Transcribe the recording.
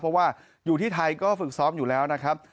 เพราะว่าอยู่ที่ไทยก็ฝึกซ้อมอยู่แล้วนะครับ